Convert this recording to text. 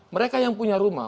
mereka yang punya rumah